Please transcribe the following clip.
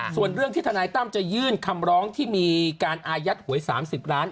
ส่วนเรื่องที่ทนายตั้มจะยื่นคำร้องที่มีการอายัดหวย๓๐ล้าน